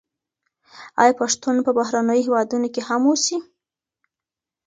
آیا پښتون په بهرنیو هېوادونو کي هم اوسي؟